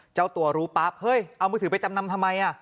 เจ้าตัวรู้ปั๊บเฮ้ยเอามือถือไปจำนำทำไม